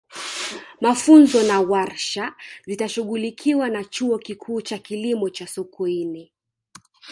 mafunzo na warsha zitashughulikiwa na chuo kikuu cha kilimo cha sokoine